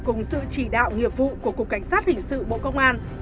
cùng sự chỉ đạo nghiệp vụ của cục cảnh sát hình sự bộ công an